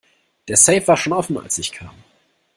Der Safe war schon offen als ich kam.